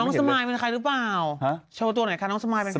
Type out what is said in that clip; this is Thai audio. สมายเป็นใครหรือเปล่าโชว์ตัวไหนคะน้องสมายเป็นใคร